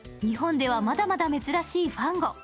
日本ではまだまだ珍しいファンゴ。